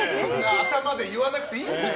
頭で言わなくていいんですよ。